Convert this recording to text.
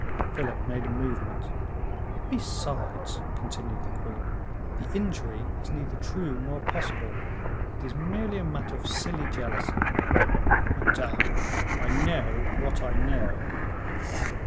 Philip made a movement. "Besides," continued the queen, "the injury is neither true nor possible, and it is merely a matter of silly jealousy." "Madame, I know what I know."